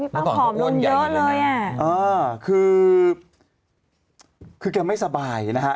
พี่เป้าขอบลงเยอะเลยอ่ะคือคือแกไม่สบายนะฮะ